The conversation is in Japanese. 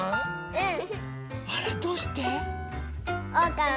うん！